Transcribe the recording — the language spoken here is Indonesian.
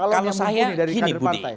kalau saya gini budi